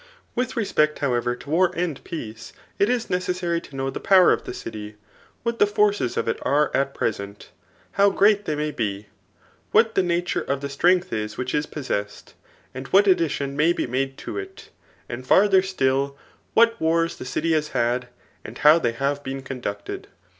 With respeet however to war and peace, it b necess^ to know tbe power of the city, what the forces of it are at present, how great they may be, what the nature of the stiengdi is wh^ch is possessed, and what addition may b4 made to k ^ and fardier still, what wars the dry has bad, aad bow they have been conducted.